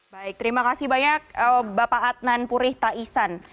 baik terima kasih banyak bapak adnan purih taisan